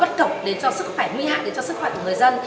bất cổng đến cho sức khỏe nguy hạn đến cho sức khỏe của người dân